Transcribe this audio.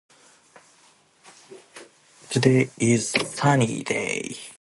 Today is sunny day.